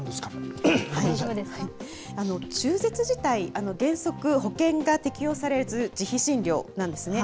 中絶自体、原則、保険が適用されず、自費診療なんですね。